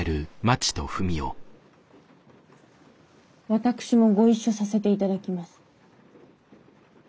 私もご一緒させて頂きます。